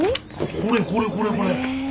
これこれこれこれ。